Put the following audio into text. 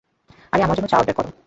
আরে, আমার জন্য চা অর্ডার করো।